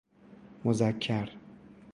مذکر